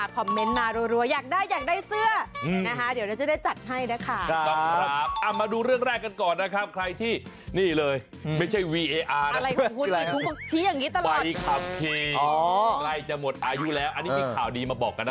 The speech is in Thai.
คอมเมนต์มารัวอยากได้อยากได้เสื้อนะคะเดี๋ยวเราจะได้จัดให้นะคะ